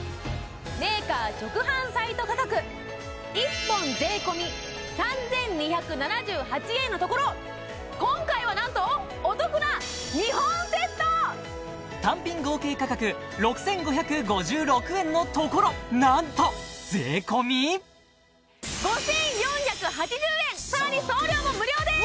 メーカー直販サイト価格１本税込３２７８円のところ今回は何と単品合計価格６５５６円のところ何と税込５４８０円さらに送料も無料です！